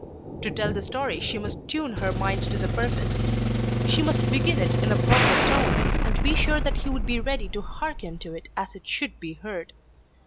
To tell the story she must tune her mind to the purpose. She must begin it in a proper tone, and be sure that he would be ready to hearken to it as it should be heard.